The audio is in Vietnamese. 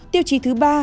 tiêu chí thứ ba